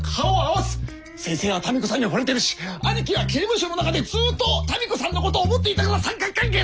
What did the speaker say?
先生は民子さんに惚れてるし兄貴は刑務所の中でずっと民子さんのことを思っていたから三角関係だ！